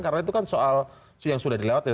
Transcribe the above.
karena itu kan soal yang sudah dilakukan